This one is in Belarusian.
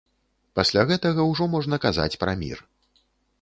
Пасля гэтага ўжо можна казаць пра мір.